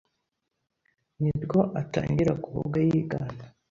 nirwo atangira kuvuga yigana.